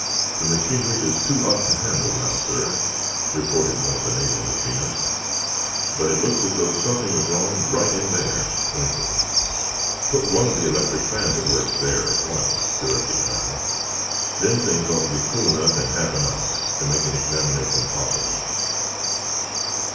"The machinery is too hot to handle, now, sir," reported one of the naval machinists, "but it looks as though something was wrong right in there"—pointing. "Put one of the electric fans at work there, at once," directed Hal. "Then things ought to be cool enough in half an hour, to make an examination possible."